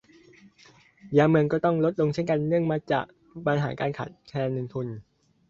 ยามเมืองก็ต้องลดลงเช่นกัน เนื่องมาจากปัญหาการขาดแคลนเงินทุน